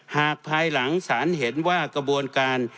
ภายหลังสารเห็นว่ากระบวนการ